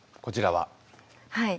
はい。